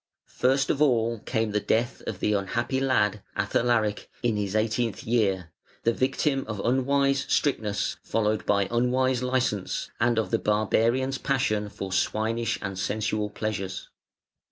(2nd Oct., 534.) First of all came the death of the unhappy lad, Athalaric, in his eighteenth year, the victim of unwise strictness, followed by unwise licence, and of the barbarian's passion for swinish and sensual pleasures.